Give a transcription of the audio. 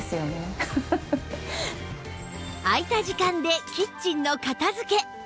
空いた時間でキッチンの片付け